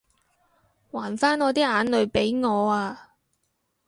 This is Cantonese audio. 還返我啲眼淚畀我啊